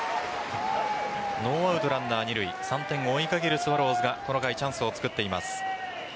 ノーアウトランナー二塁３点を追いかけるスワローズがこの回、チャンスを作っています。